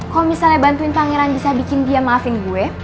kalau misalnya bantuin pangeran bisa bikin dia maafin gue